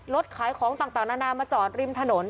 ขายของต่างนานามาจอดริมถนน